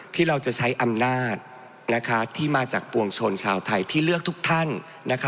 ที่เราจะใช้อำนาจที่มาจากปวงชนชาวไทยที่เลือกทุกท่าน